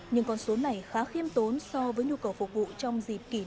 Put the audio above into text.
nhưng con số này khá khiêm tốn so với nhu cầu phục vụ trong dịp kỷ niệm